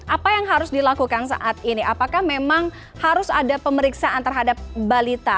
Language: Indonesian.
apa yang harus dilakukan saat ini apakah memang harus ada pemeriksaan terhadap balita